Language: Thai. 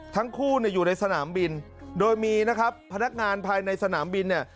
ทั้งคู่เนี่ยอยู่ในสนามบินโดยมีนะครับพนักงานภายในสนามบินเนี่ย